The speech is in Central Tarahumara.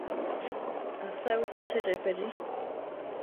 ¿Asáwisa che rʼe perí?